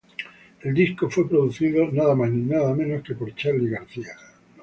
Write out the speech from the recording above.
El disco fue producido nada más ni nada menos que por Charly García.